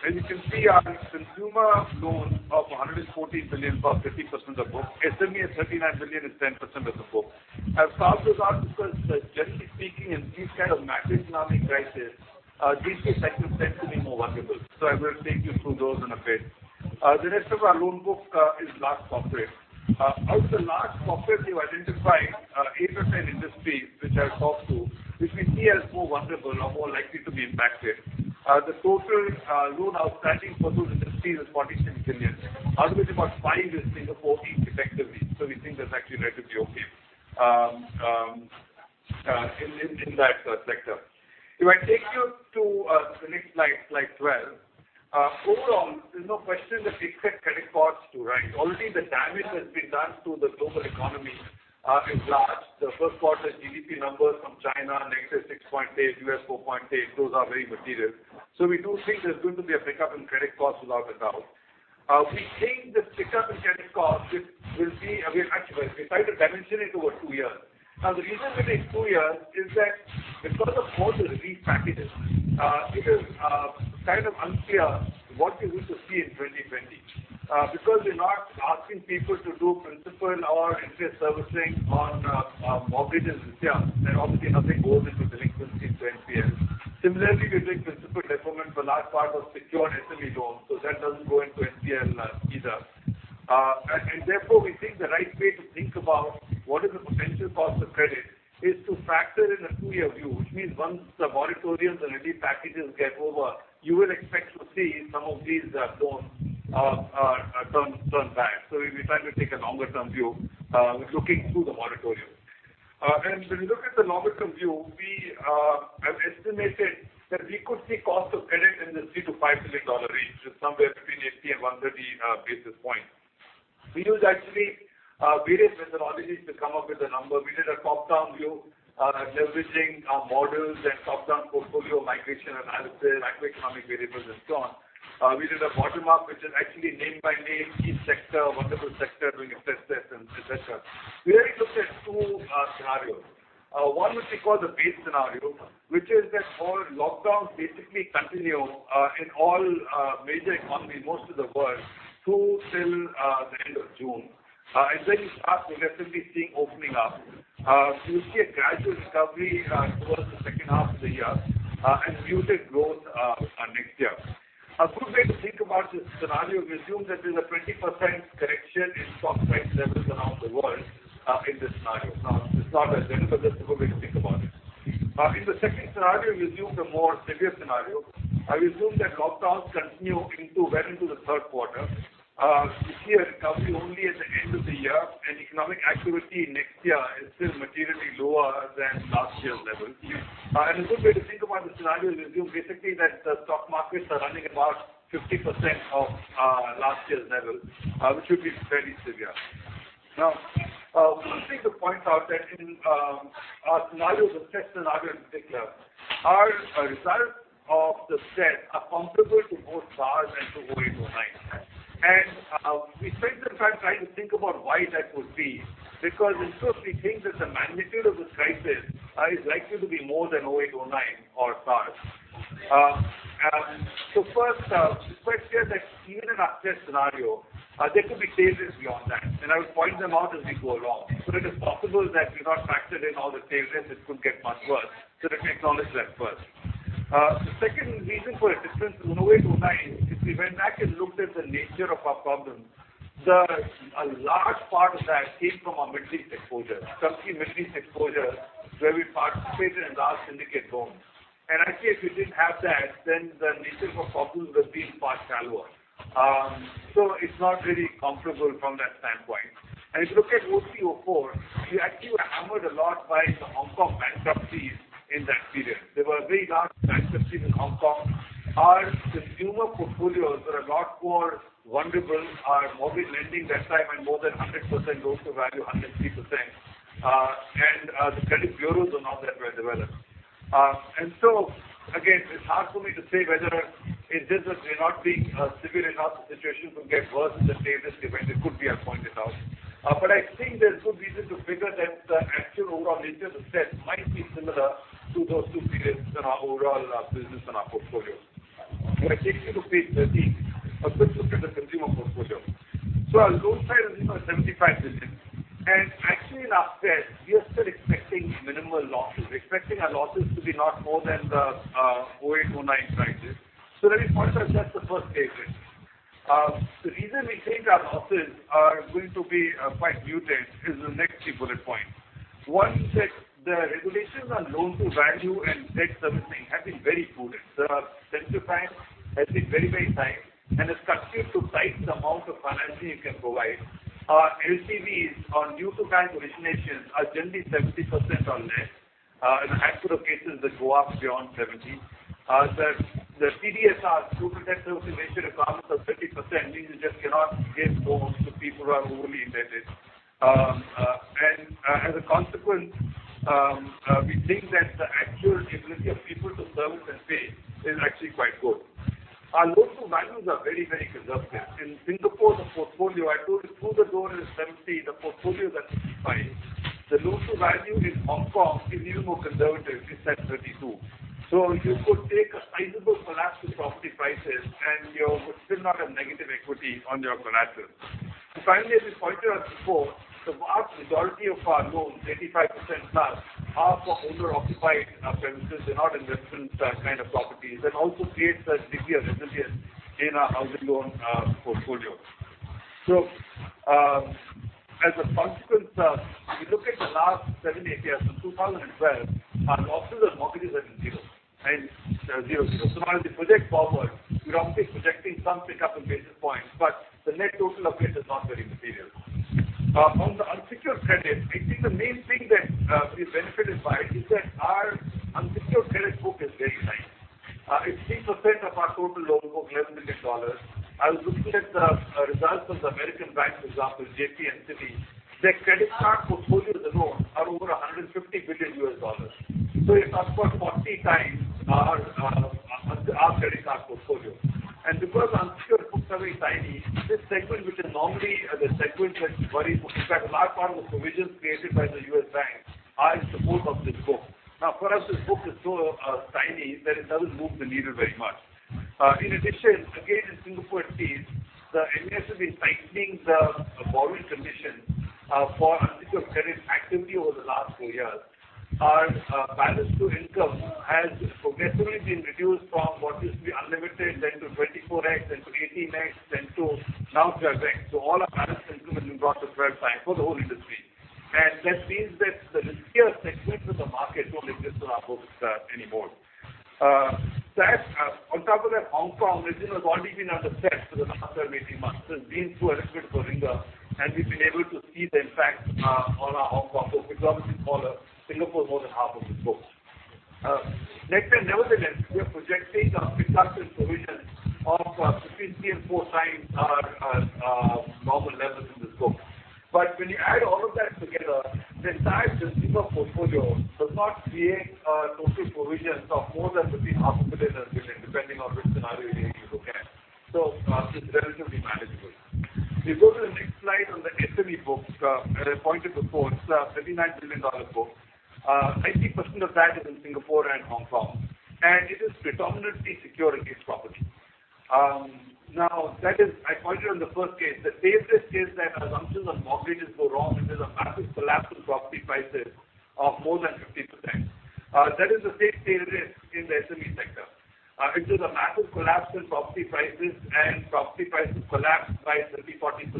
and you can see our consumer loans of 114 billion, about 50% of the book. SME at 39 billion is 10% of the book. I've called those out because generally speaking, in these kind of macroeconomic crisis, these two segments tend to be more vulnerable. I will take you through those in a bit. The rest of our loan book is large corporate. Out of the large corporate, we've identified eight or 10 industries which I'll talk to, which we see as more vulnerable or more likely to be impacted. The total loan outstanding for those industries is 47 billion, out of which about 5 billion is Singapore Inc effectively. We think that's actually relatively okay in that sector. If I take you to the next Slide 12. Overall, there's no question that we expect credit costs to rise. Already the damage that's been done to the global economy is large. The Q1 GDP numbers from China, -6.8%, U.S. 4.8%, those are very material. We do think there's going to be a pickup in credit costs, without a doubt. We think this pickup in credit costs will be, again, actually we try to dimension it over two years. Now, the reason we take two years is that because of all the relief packages, it is kind of unclear what you're going to see in 2020. Because we're not asking people to do principal or interest servicing on mortgages this year, then obviously nothing goes into delinquency into NPL. Similarly, we're doing principal deferment for large part of secured and SME loans, so that doesn't go into NPL, either. Therefore, we think the right way to think about what is the potential cost of credit is to factor in a two-year view, which means once the moratoriums and relief packages get over, you will expect to see some of these loans turn bad. We try to take a longer term view, looking through the moratorium. When you look at the longer term view, we have estimated that we could see cost of credit in the 3 billion-5 billion dollar range, which is somewhere between 80 and 130 basis points. We use actually various methodologies to come up with a number. We did a top-down view, leveraging our models and top-down portfolio migration analysis, macroeconomic variables and so on. We did a bottom-up, which is actually name by name, each sector, vulnerable sector doing stress test and et cetera. We really looked at two scenarios. One which we call the base scenario, which is that all lockdowns basically continue in all major economies most of the world through till the end of June. Then you start progressively seeing opening up. You will see a gradual recovery towards the second half of the year, and muted growth next year. A good way to think about this scenario, we assume that there's a 20% correction in stock price levels around the world in this scenario. Now, it's not that relevant, but that's a good way to think about it. In the second scenario, we assume the more severe scenario. We assume that lockdowns continue well into the Q3. We see a recovery only at the end of the year, and economic activity next year is still materially lower than last year's levels. A good way to think about the scenario is to assume basically that the stock markets are running at about 50% of last year's levels, which would be very severe. Now, one thing to point out is that in our scenarios, the third scenario in particular, the ECLs are comparable to both SARS and to 2008, 2009. We spent some time trying to think about why that would be because intuitively we think that the magnitude of this crisis is likely to be more than 2008, 2009 or SARS. First, it's quite clear that even in our third scenario, there could be tail risks beyond that, and I will point them out as we go along. It is possible that we've not factored in all the tail risks; it could get much worse. Let me acknowledge that first. The second reason for a difference from 2008, 2009, if we went back and looked at the nature of our problems, a large part of that came from our mid-tier exposure, chunky mid-tier exposure, where we participated in large syndicate loans. Actually, if we didn't have that, then the nature of our problems would have been far shallower. It's not really comparable from that standpoint. If you look at 2003, 2004, we actually were hammered a lot by the Hong Kong bankruptcies in that period. There were very large bankruptcies in Hong Kong. Our consumer portfolios were a lot more vulnerable. Our mortgage lending that time went more than 100% loan to value, 103%. The credit bureaus were not that well developed. Again, it's hard for me to say whether it is or may not be severe enough. The situation could get worse in the tail risk event. It could be, as pointed out. I think there's good reason to figure that the actual overall nature of the stress might be similar to those two periods in our overall business and our portfolio. If I take you to Page 13 for a good look at the consumer portfolio, our loan side is, you know, 75 billion. Actually in our stress, we are still expecting minimal losses. expecting our losses to be not more than the 2008-2009 crisis. Let me point out just the first statement. The reason we think our losses are going to be quite muted is the next three bullet points. One is that the regulations on loan to value and debt servicing have been very prudent. The central bank has been very, very tight and has kept it tight the amount of financing you can provide. Our LTVs on new-to-bank originations are generally 70% or less. I have a few cases that go up beyond 70%. The TDSR, the protective origination requirements of 50% means you just cannot give loans to people who are overly indebted. As a consequence, we think that the actual ability of people to service and pay is actually quite good. Our loan to values are very, very conservative. In Singapore, the portfolio, I told you TDSR is 70%, the portfolio is at 65%. The loan to value in Hong Kong is even more conservative. It's at 32%. You could take a sizable collapse in property prices and you would still not have negative equity on your collateral. Finally, as we pointed out before, the vast majority of our loans, 85%+ are for owner-occupied premises. They're not investment kind of properties. That also creates a degree of resilience in our housing loan portfolio. As a consequence, if you look at the last seven to eight years from 2012, our losses on mortgages have been zero, right? Zero. As we project forward, we're obviously projecting some pickup in basis points, but the net total of it is not very material. On the unsecured credit, I think the main thing that we're benefited by is that our unsecured credit book is very tiny. It's 3% of our total loan book, SGD 11 billion. I was looking at the results of the American banks, for example, JP and Citi. Their credit card portfolios alone are over $150 billion. It's up to 40x our credit card portfolio. Because our unsecured book's very tiny, this segment which is normally the segment that you worry about. In fact, a large part of the provisions created by the U.S. banks are in support of this book. Now, for us, this book is so tiny that it doesn't move the needle very much. In addition, again, in Singapore the MAS has been tightening the borrowing conditions for unsecured credit actively over the last two years. Our debt-to-income has progressively been reduced from what used to be unlimited then to 24x, then to 18x, then to now 12x. All our debt-to-income has been brought to 12x for the whole industry. That means that the riskier segments of the market don't exist in our books anymore. On top of that, Hong Kong origination has already been under stress for the last 12-18 months and been through a little bit of a wringer, and we've been able to see the impact on our Hong Kong book. It's obviously smaller. Singapore is more than half of this book. Next slide. Nevertheless, we are projecting a pre-tax provision of between three to four times our normal levels in this book. When you add all of that together, the entire consumer portfolio does not create total provisions of more than between half a billion SGD and 1 billion SGD, depending on which scenario you look at. It's relatively manageable. If you go to the next slide on the SME book, as I pointed before, it's a 39 billion dollar book. 90% of that is in Singapore and Hong Kong, and it is predominantly secure against property. Now that is. I pointed on the first case, the tail risk is that assumptions on mortgages go wrong and there's a massive collapse in property prices of more than 50%. That is the same tail risk in the SME sector. If there's a massive collapse in property prices and property prices collapse by 30%-40%,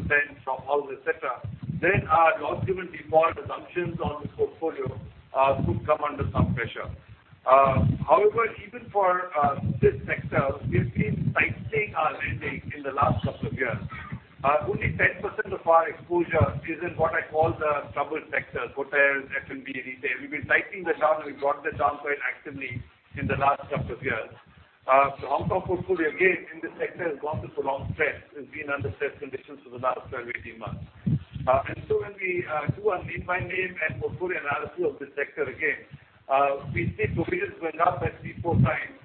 shop houses, et cetera, then our loss given default assumptions on this portfolio could come under some pressure. However, even for this sector, we've been tightening our lending in the last couple of years. Only 10% of our exposure is in what I call the troubled sectors, hotels, F&B, retail. We've been tightening that down and we've brought that down quite actively in the last couple of years. The Hong Kong portfolio, again, in this sector, has gone through prolonged stress. It's been under stress conditions for the last 12-18 months. When we do our name by name and portfolio analysis of this sector again, we see provisions went up by three to four times.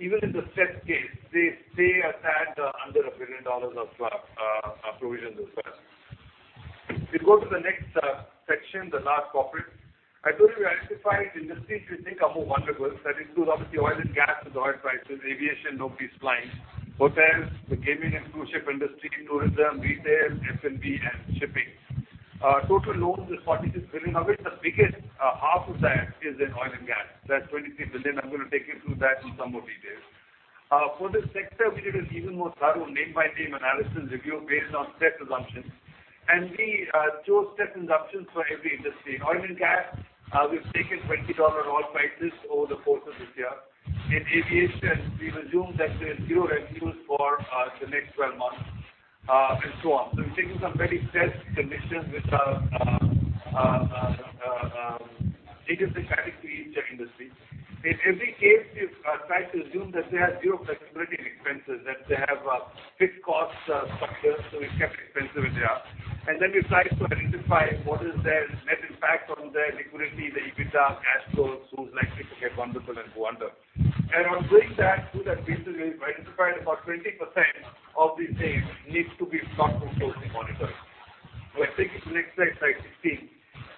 Even in the stress case, they are tagged under $1 billion of provisions as well. If you go to the next section, the large corporate. I told you we identified industries we think are more vulnerable. That includes obviously oil and gas with oil prices, aviation, nobody's flying. Hotels, the gaming and cruise ship industry, tourism, retail, F&B, and shipping. Total loans is $46 billion. Of it, the biggest half of that is in oil and gas. That's $23 billion. I'm gonna take you through that in some more detail. For this sector, we did an even more thorough name by name analysis review based on stress assumptions. We chose stress assumptions for every industry. In oil and gas, we've taken $20 oil prices over the course of this year. In aviation, we've assumed that there's zero revenues for the next 12 months, and so on. We've taken some very stressed conditions which are specific to each industry. In every case, we've tried to assume that they have zero flexibility in expenses, that they have a fixed cost structure, so we've kept expenses where they are. Then we've tried to identify what is their net impact on their liquidity, the EBITDA, cash flows. Who's likely to get vulnerable and go under. On doing that, basically, we've identified about 20% of these names need to be stuck and closely monitored. If I take you to the next Slide 16.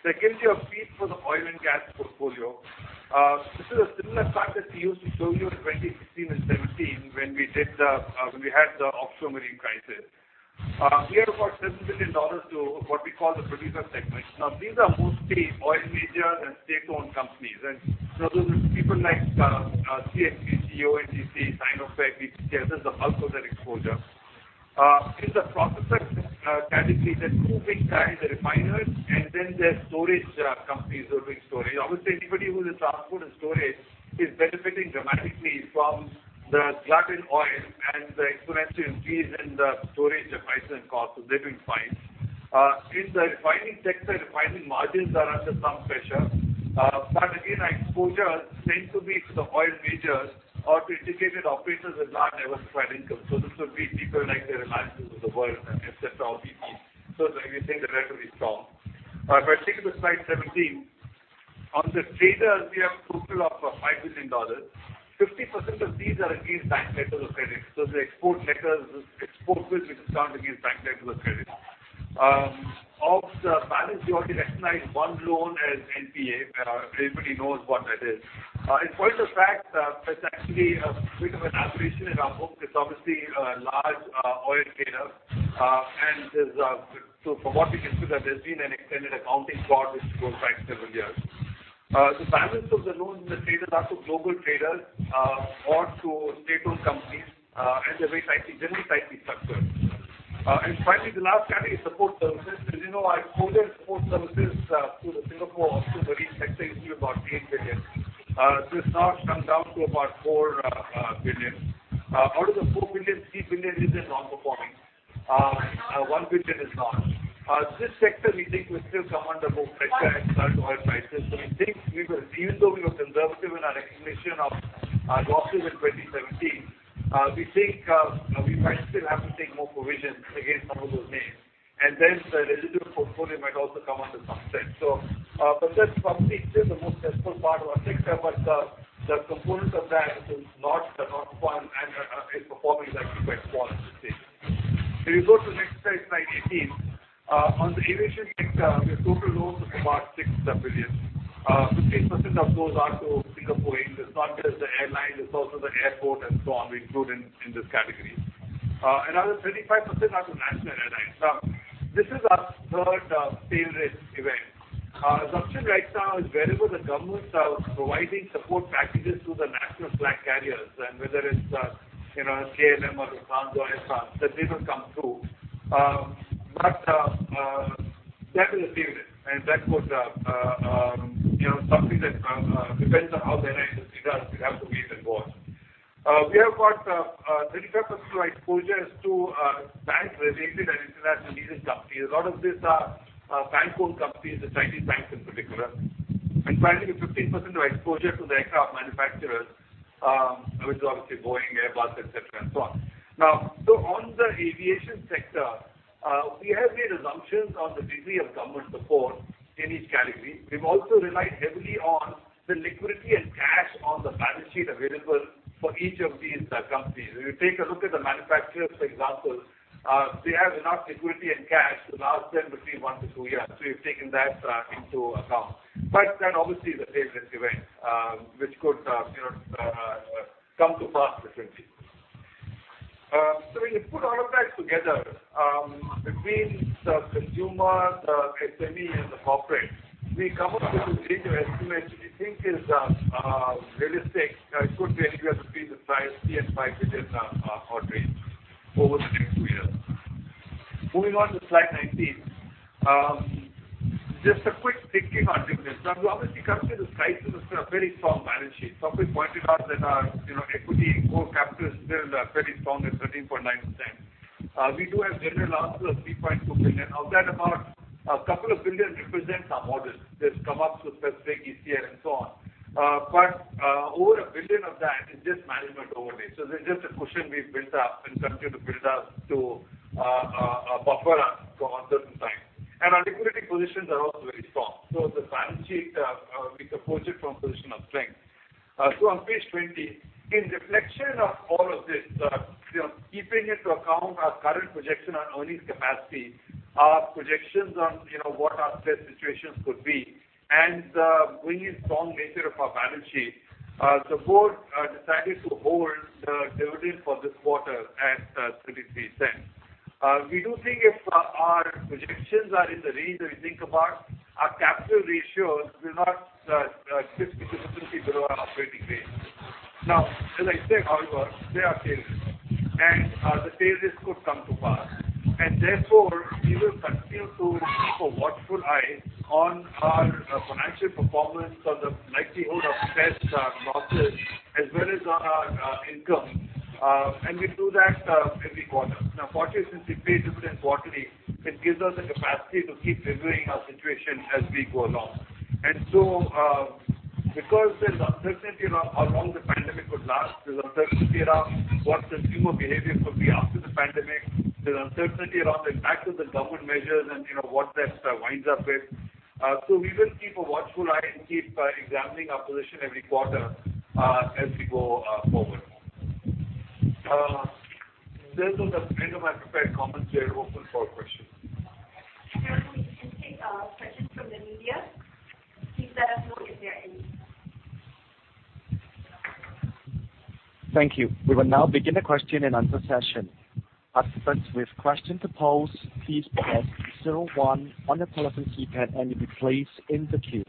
I give you a peek for the oil and gas portfolio. This is a similar chart that we used to show you in 2016 and 2017 when we had the offshore marine crisis. We have about $7 billion to what we call the producer segment. Now, these are mostly oil majors and state-owned companies. Those are people like CNOOC, ONGC, Sinopec. These are the bulk of that exposure. In the processor category, there are two big guys, the refiners, and then there are storage companies doing storage. Obviously, anybody who does transport and storage is benefiting dramatically from the glut in oil and the exponential increase in the storage prices and costs, so they're doing fine. In the refining sector, refining margins are under some pressure. Our exposure tends to be to the oil majors or to integrated operators with large diversified income. This would be people like the Reliance of the world and et cetera, BP. It's like we think they're relatively strong. If I take you to Slide 17. On these traders we have a total of $5 billion. 50% of these are against bank letters of credit. The export letters, the export biz, which is done against bank letters of credit. Of the balance, we already recognize one loan as NPA. Everybody knows what that is. In point of fact, that's actually bit of an aberration in our book. It's obviously a large oil trader. From what we can see that there's been an extended accounting fraud with this loan for like several years. The balance of the loans in the traders are to global traders, or to state-owned companies, and they're very tightly, generally tightly structured. Finally the last category is support services. As you know, our exposure in support services, through the Singapore offshore marine sector used to be about 8 billion. This has now come down to about 4 billion. Out of the 4 billion, 3 billion is in non-performing. 1 billion is not. This sector we think will still come under more pressure as regards oil prices. We think we will, even though we were conservative in our recognition of losses in 2017, we think we might still have to take more provisions against some of those names. Then the residual portfolio might also come under some stress. But that's something, still the most stressful part of our sector, but the component of that is not fun and is performing likely quite poorly these days. If you go to the next Slide 18. On the aviation sector, we have total loans of about 6 billion. 15% of those are to Singapore Airlines. It's not just the airline, it's also the airport and so on we include in this category. Another 35% are to national airlines. Now, this is our third tail risk event. Our assumption right now is wherever the governments are providing support packages to the national flag carriers and whether it's, you know, KLM or Lufthansa or Etihad, that they will come through. But that is a tail risk and that could, you know, something that depends on how the airline industry does. We'd have to wait and watch. We have got a little bit of exposure to bank-related and international leasing companies. A lot of these are bank-owned companies, the Chinese banks in particular. Finally, 15% of exposure to the aircraft manufacturers, which is obviously Boeing, Airbus, et cetera, and so on. Now, on the aviation sector, we have made assumptions on the degree of government support in each category. We've also relied heavily on the liquidity and cash on the balance sheet available for each of these companies. If you take a look at the manufacturers, for example, they have enough liquidity and cash to last them one to two years. We've taken that into account. Obviously the tail risk event, which could you know come to pass differently. When you put all of that together, between the consumer, the SME and the corporate, we come up with a bigger estimate which we think is realistic. It could be anywhere in the 5 billion-odd range over the next two years. Moving on to Slide 19. Just a quick thinking on resilience. Now we obviously come to this crisis with a very strong balance sheet. Somebody pointed out that our you know equity core capital is still very strong at 13.9%. We do have general provisions of 3.2 billion. Of that amount, a couple of billion represents our models. They've come up with specific ECL and so on. Over a billion of that is just management overlay. It's just a cushion we've built up and continue to build up to buffer us for uncertain times. Our liquidity positions are also very strong. The balance sheet we approach it from a position of strength. On Page 20, in reflection of all of this, you know, taking into account our current projection on earnings capacity, our projections on, you know, what our stress situations could be, and the strong nature of our balance sheet, the board decided to hold the dividend for this quarter at 0.23. We do think if our projections are in the range that we think about, our capital ratios will not dip significantly below our operating base. Now, as I said, however, there are tail risks. The tail risks could come to pass. Therefore, we will continue to keep a watchful eye on our financial performance or the likelihood of stress losses, as well as our income. We do that every quarter. Now, fortunately, since we pay dividends quarterly, it gives us the capacity to keep reviewing our situation as we go along. Because there's uncertainty around how long the pandemic would last, there's uncertainty around what consumer behavior could be after the pandemic, there's uncertainty around the impact of the government measures and, you know, what that winds up with. We will keep a watchful eye and keep examining our position every quarter, as we go forward. This was the end of my prepared comments. We are open for questions. Now we can take questions from the media. Please let us know if there are any. Thank you. We will now begin the question and answer session. Participants with question to pose, please press zero one on your telephone keypad and you'll be placed in the queue.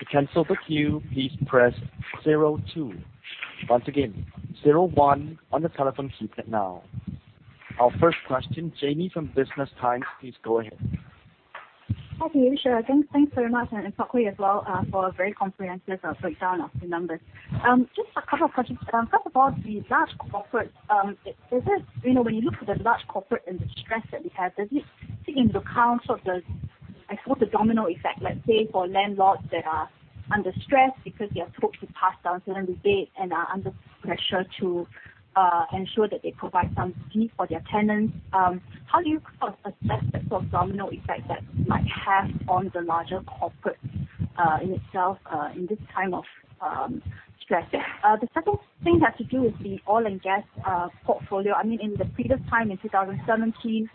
To cancel the queue, please press zero two. Once again, zero one on your telephone keypad now. Our first question, Jamie from Business Times, please go ahead. Hi to you, sure. Thanks very much and frankly as well for a very comprehensive breakdown of the numbers. Just a couple of questions. First of all, the large corporate, is it, you know, when you look at the large corporate and the stress that we have, does it take into account sort of the, I suppose, the domino effect, let's say, for landlords that are under stress because they are told to pass down certain rebate and are under pressure to ensure that they provide some relief for their tenants. How do you sort of assess the sort of domino effect that might have on the larger corporate in itself in this time of stress? The second thing has to do with the oil and gas portfolio. I mean, in the previous time in 2017,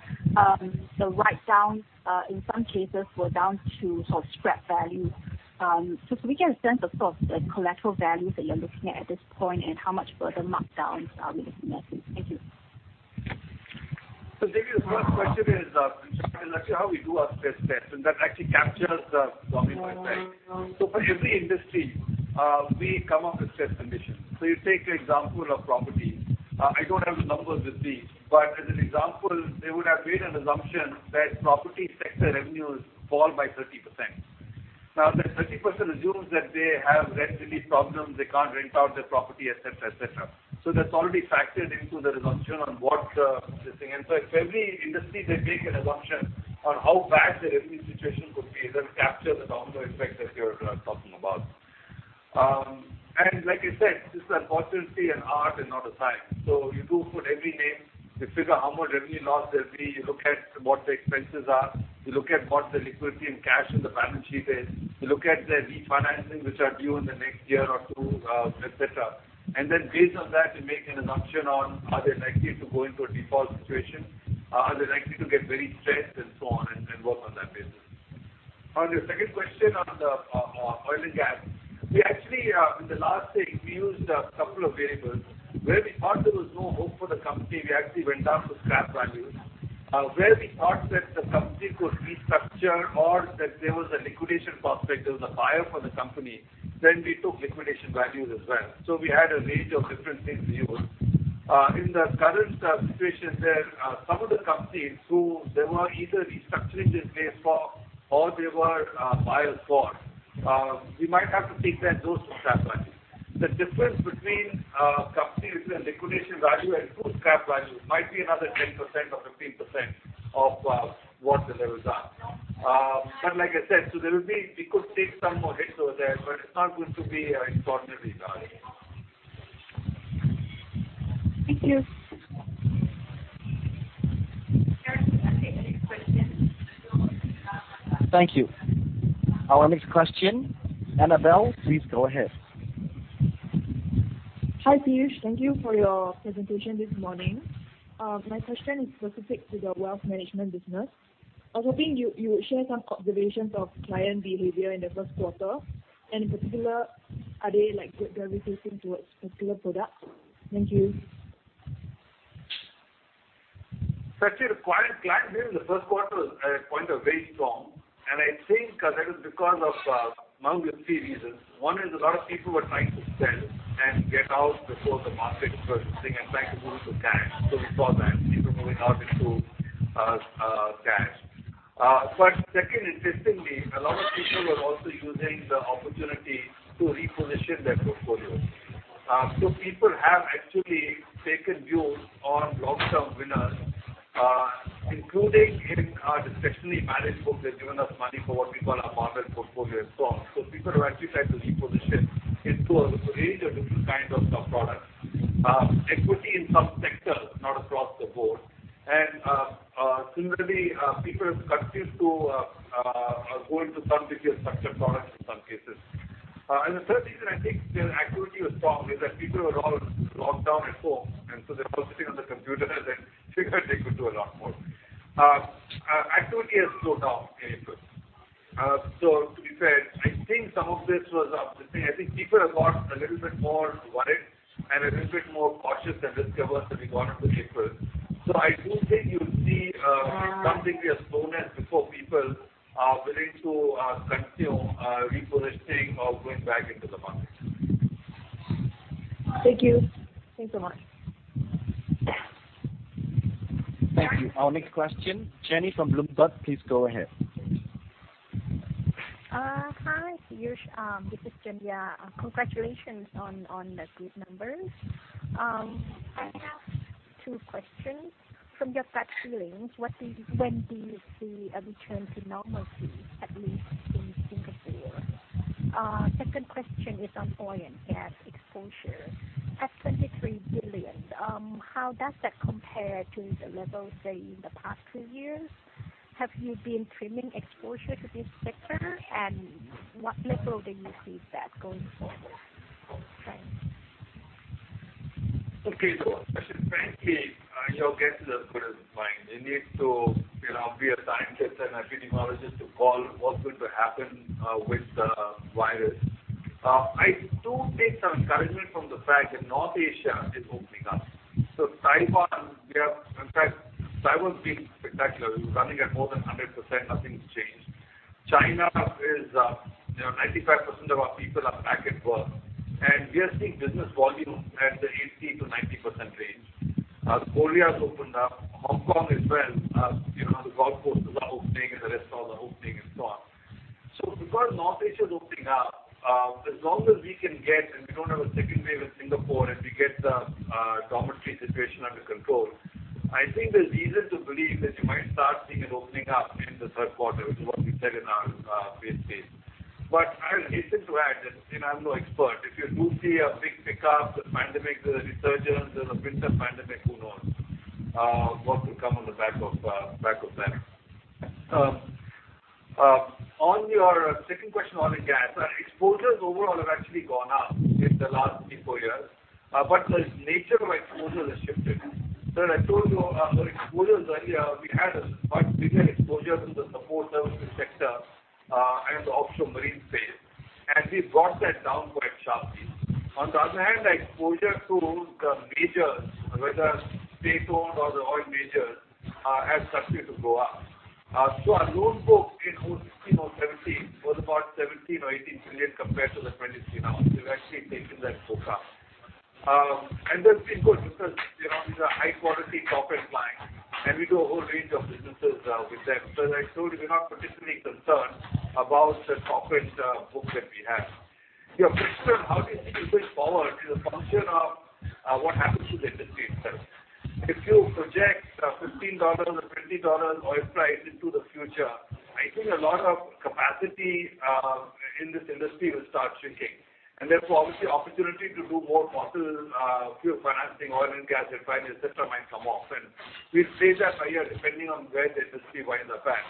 the write down, in some cases were down to sort of scrap value. Can we get a sense of sort of the collateral values that you're looking at this point, and how much further mark-downs are we looking at? Thank you. Jamie, the first question is, actually how we do our stress test, and that actually captures the domino effect. For every industry, we come up with stress conditions. You take the example of property. I don't have the numbers with me, but as an example, they would have made an assumption that property sector revenues fall by 30%. Now that 30% assumes that they have rent relief problems, they can't rent out their property, et cetera, et cetera. That's already factored into the assumption on what, this thing. In every industry, they make an assumption on how bad the revenue situation could be. That captures the domino effect that you're talking about. Like I said, this is importantly an art and not a science. You do it for every name. You figure how much revenue loss there'll be. You look at what the expenses are. You look at what the liquidity and cash in the balance sheet is. You look at their refinancing which are due in the next year or two, et cetera. Then based on that, you make an assumption on are they likely to go into a default situation? Are they likely to get very stressed and so on, and work on that basis. On your second question on the oil and gas. We actually in the last thing, we used a couple of variables. Where we thought there was no hope for the company, we actually went down to scrap value. Where we thought that the company could restructure or that there was a liquidation prospect, there was a buyer for the company, then we took liquidation value as well. We had a range of different things we used. In the current situation there, some of the companies who they were either restructuring their way forward or they were buyers for, we might have to take those to scrap value. The difference between companies and liquidation value and those scrap value might be another 10% or 15% of what the levels are. But like I said, we could take some more hits over there, but it's not going to be importantly bad. Thank you. Thank you. Our next question, Annabelle, please go ahead. Hi, Piyush. Thank you for your presentation this morning. My question is specific to the wealth management business. I was hoping you would share some observations of client behavior in the Q1, and in particular, are they, like, gravitating towards particular products? Thank you. Actually, the quiet client behavior in the Q1, inflows are very strong. I think that is because of, among a few reasons. One is a lot of people were trying to sell and get out before the market was sinking and trying to move to cash. We saw that, people moving out into cash. Second, interestingly, a lot of people were also using the opportunity to reposition their portfolios. People have actually taken views on long-term winners, including in our discretionary managed books. They've given us money for what we call our model portfolio and so on. People have actually tried to reposition into a range of different kinds of products. Equity in some sectors, not across the board. Similarly, people have continued to go into some retail structured products in some cases. The third thing that I think their activity was strong is that people were all locked down at home, and so they're all sitting on their computer and figured they could do a lot more. Activity has slowed down in April. To be fair, I think some of this was the thing. I think people have got a little bit more worried and a little bit more cautious than risk-averse in the month of April. I do think you'll see some decrease slow down before people are willing to continue repositioning or going back into the market. Thank you. Thanks so much. Thank you. Our next question, Jenny from Bloomberg, please go ahead. Hi, Piyush. This is Jenny. Congratulations on the group numbers. I have two questions. From your gut feelings, when do you see a return to normalcy, at least in Singapore? Second question is on oil and gas exposure. At 23 billion, how does that compare to the level, say, in the past two years? Have you been trimming exposure to this sector, and what level do you see that going forward? Thanks. Okay. Question, frankly, your guess is as good as mine. You need to, you know, be a scientist and epidemiologist to call what's going to happen with the virus. I do take some encouragement from the fact that North Asia is opening up. In Taiwan, we have. In fact, Taiwan's been spectacular. We're running at more than 100%, nothing's changed. China is, you know, 95% of our people are back at work. We are seeing business volumes at the 80%-90% range. Korea's opened up. Hong Kong as well. You know, the golf courses are opening and the restaurants are opening and so on. Because North Asia is opening up, as long as we can get and we don't have a second wave in Singapore, and we get the dormitory situation under control, I think there's reason to believe that you might start seeing an opening up in the Q3, which is what we said in our business case. I'll hasten to add that, you know, I'm no expert. If you do see a big pickup, the pandemic, the resurgence, there's a winter pandemic, who knows what could come on the back of that. On your second question on the gas exposures overall have actually gone up in the last three to four years. The nature of exposure has shifted. As I told you, our exposure earlier, we had a much bigger exposure from the support services sector, and the offshore marine space, and we brought that down quite sharply. On the other hand, the exposure to the majors, whether state-owned or the oil majors, has continued to go up. Our loan book in 2016 or 2017 was about $17 billion-$18 billion compared to the $23 billion now. We've actually taken that book up. That's been good because, you know, these are high quality corporate clients, and we do a whole range of businesses with them. As I told you, we're not particularly concerned about the corporate book that we have. Your question, how do you think it goes forward, is a function of what happens to the industry itself. If you project $15 or $20 oil price into the future, I think a lot of capacity in this industry will start shrinking. Therefore, obviously, opportunity to do more possible pure financing oil and gas refining et cetera might come up. We'll stage that higher depending on where the industry winds up at.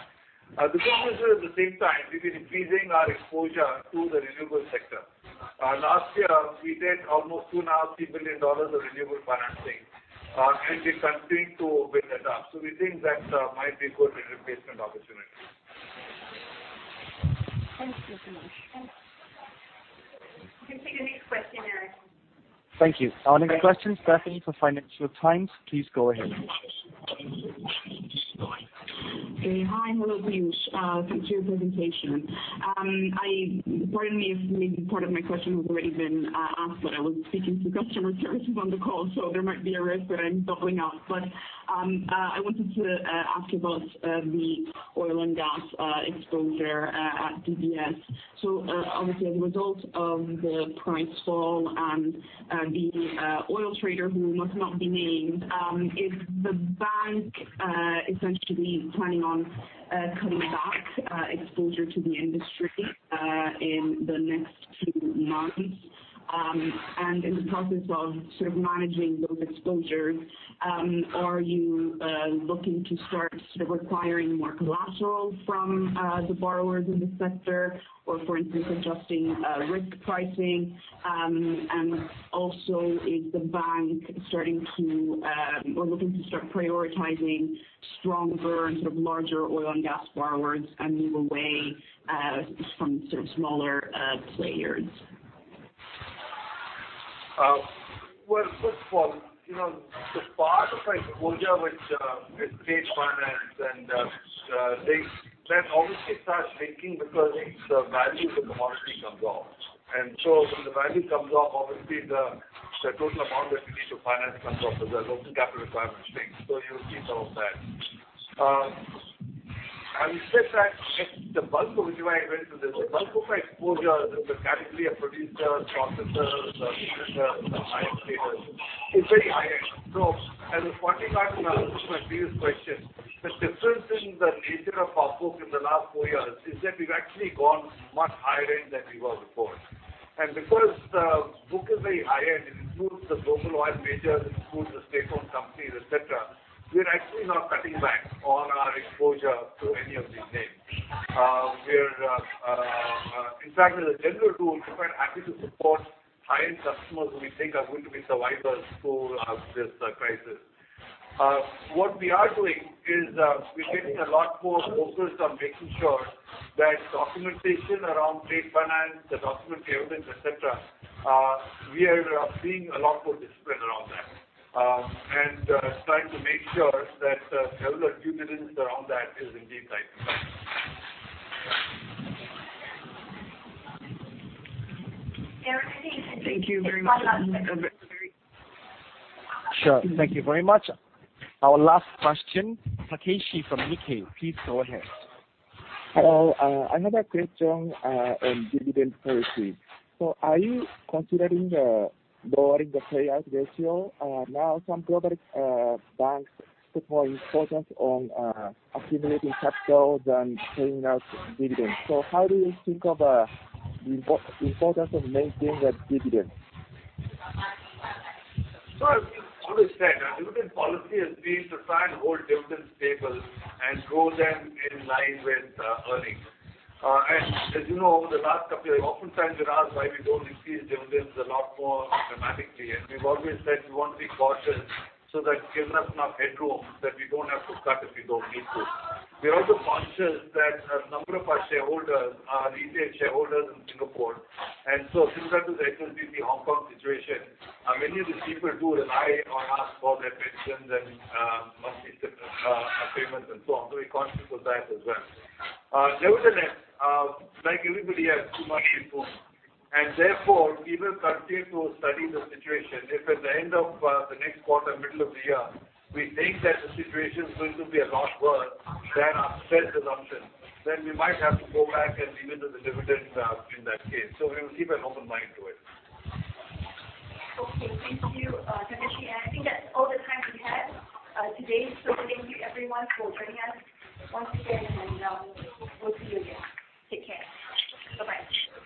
The good news is at the same time, we've been increasing our exposure to the renewable sector. Last year we did almost $2.5-$3 billion of renewable financing, and we continue to build that up. We think that might be a good replacement opportunity. Thank you, Piyush. Thanks. You can take the next question, Eric. Thank you. Our next question, Stephanie from Financial Times. Please go ahead. Okay. Hi. Hello, Piyush. Thanks for your presentation. Pardon me if maybe part of my question has already been asked. I was speaking to customer services on the call, so there might be a risk that I'm doubling up. I wanted to ask you about the oil and gas exposure at DBS. Obviously, as a result of the price fall and the oil trader who must not be named, is the bank essentially planning on cutting back exposure to the industry in the next few months? In the process of sort of managing those exposures, are you looking to start requiring more collateral from the borrowers in the sector, or for instance, adjusting risk pricing? Also, is the bank starting to or looking to start prioritizing stronger and sort of larger oil and gas borrowers and move away from sort of smaller players? Well, first of all, you know, the part of my exposure which with trade finance and things that obviously starts shrinking because it's the value of the commodity comes off. When the value comes off, obviously the total amount that we need to finance comes off because there's also capital requirements and things. You will see some of that. Having said that, the bulk of my exposure in the category of producers, processors, users, buyers, traders is very high-end. As a parting card to my previous question, the difference in the nature of our book in the last four years is that we've actually gone much higher end than we were before. Because the book is very high-end, it includes the global oil majors, it includes the state-owned companies, et cetera. We're actually not cutting back on our exposure to any of these names. In fact, as a general rule, we're quite happy to support high-end customers who we think are going to be survivors through this crisis. What we are doing is we're getting a lot more focused on making sure that documentation around trade finance, the document payments, et cetera, we are being a lot more disciplined around that, and trying to make sure that the level of due diligence around that is indeed tightened up. Thank you very much. Sure. Thank you very much. Our last question, Takeshi from Nikkei, please go ahead. Hello. Another question on dividend policy. Are you considering lowering the payout ratio? Now some global banks put more importance on accumulating capital than paying out dividends. How do you think of the importance of maintaining that dividend? As we've always said, our dividend policy has been to try and hold dividends stable and grow them in line with earnings. As you know, over the last couple of years, oftentimes we're asked why we don't increase dividends a lot more dramatically, and we've always said we want to be cautious so that it gives us enough headroom that we don't have to cut if we don't need to. We're also conscious that a number of our shareholders are retail shareholders in Singapore, and similar to the HSBC Hong Kong situation, many of these people do rely on us for their pensions and monthly payments and so on. We're conscious of that as well. Nevertheless, like everybody else, we watch inflows, and therefore, we will continue to study the situation. If at the end of the next quarter, middle of the year, we think that the situation is going to be a lot worse than our current assumptions, then we might have to go back and revisit the dividend, in that case. We will keep an open mind to it. Okay. Thank you, Takeshi. I think that's all the time we have today. Thank you everyone for joining us once again, and we'll talk to you again. Take care. Bye-bye.